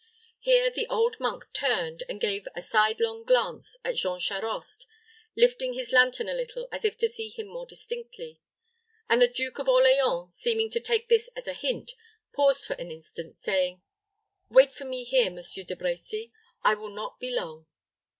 Here the old monk turned, and gave a sidelong glance at Jean Charost, lifting his lantern a little, as if to see him more distinctly, and the Duke of Orleans, seeming to take this as a hint, paused for an instant, saying, "Wait for me here, M. De Brecy; I will not be long."